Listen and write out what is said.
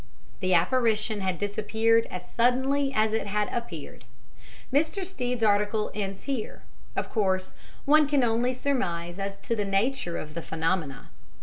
The apparition had disappeared as suddenly as it had appeared. Mr. Stead's article ends here. Of course, one can only surmise as to the nature of the phenomena.